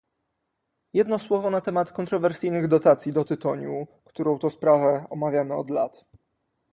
Jedno słowo na temat kontrowersyjnych dotacji do tytoniu, którą to sprawę omawiamy od lat